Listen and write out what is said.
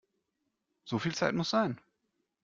So viel Zeit muss sein!